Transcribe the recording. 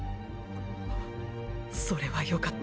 それはよかった。